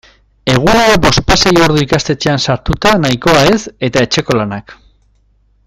Egunero bospasei ordu ikastetxean sartuta nahikoa ez eta etxeko lanak.